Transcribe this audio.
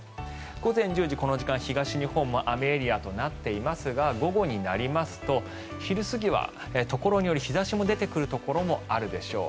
午前１０時、この時間東日本も雨エリアとなっていますが午後になりますと昼過ぎはところにより日差しも出てくるところもあるでしょう。